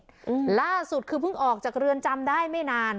อืมล่าสุดคือเพิ่งออกจากเรือนจำได้ไม่นาน